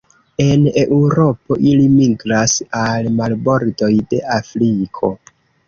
El Eŭropo ili migras al marbordoj de Afriko.